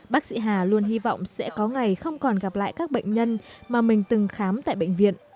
bác sĩ hà luôn hy vọng sẽ có ngày không còn gặp lại các bệnh nhân mà mình từng khám tại bệnh viện